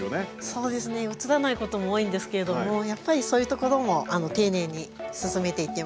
そうですね映らないことも多いんですけれどもやっぱりそういうところも丁寧に進めていってます。